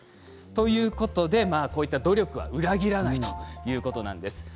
ということで努力は裏切らないということなんです。